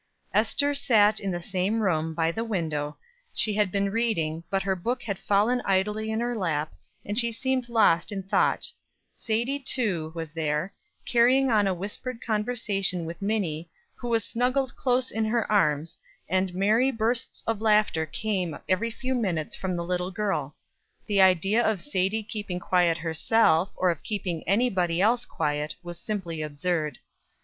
Ester sat in the same room, by the window; she had been reading, but her book had fallen idly in her lap, and she seemed lost in thought Sadie, too, was there, carrying on a whispered conversation with Minnie, who was snugged close in her arms, and merry bursts of laughter came every few minutes from the little girl. The idea of Sadie keeping quiet herself, or of keeping any body else quiet, was simply absurd.